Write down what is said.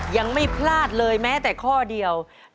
ยังไม่พลาดเลยแม้แต่ข้อเดียว